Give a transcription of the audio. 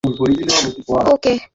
ওকে, শশশ।